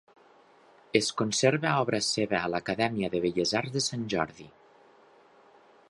Es conserva obra seva a l'Acadèmia de Belles Arts de Sant Jordi.